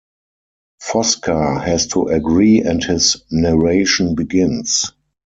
Fosca has to agree and his narration begins.